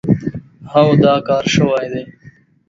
هو، دا کار شوی دی.